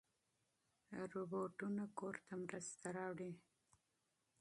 روباټونه کور ته مرسته راوړي.